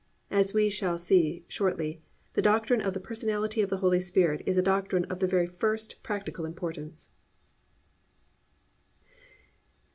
As we shall see shortly, the doctrine of the Personality of the Holy Spirit is a doctrine of the very first practical importance.